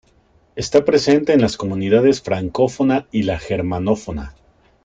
Está presente en las Comunidades francófona y la germanófona.